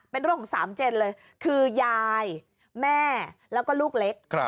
เป็นเรื่องของสามเจนเลยคือยายแม่แล้วก็ลูกเล็ก